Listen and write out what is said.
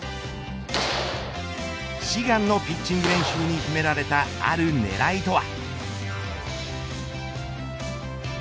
悲願のピッチング練習に秘められたある狙いとは。